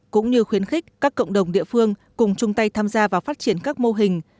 cũng như khuyến khích các cộng đồng địa phương cùng chung tay tham gia vào phát triển các mô hình